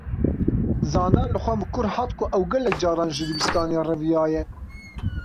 Zana li xwe mikur hat ku ew gelek caran ji dibistanê reviyaye.